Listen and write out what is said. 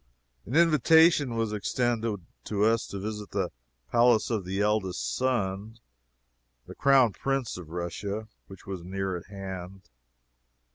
An invitation was extended to us to visit the palace of the eldest son, the Crown Prince of Russia, which was near at hand.